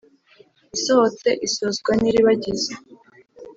Isohotse isozwa n'"Iribagiza"